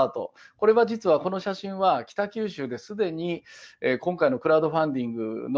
これは実はこの写真は北九州で既に今回のクラウドファンディングの中でですね